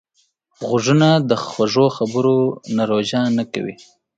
غوږونه د خوږو خبرو نه روژه نه کوي